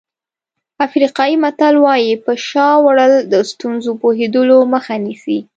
افریقایي متل وایي په شا وړل د ستونزو پوهېدلو مخه نیسي.